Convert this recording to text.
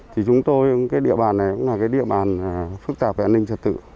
thì chúng tôi địa bàn này cũng là địa bàn phức tạp về an ninh trật tự